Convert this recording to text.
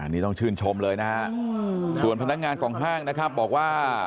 นี่ต้องชื่นชมเลยนะฮะส่วนพนักงานของห้างนะครับบอกว่า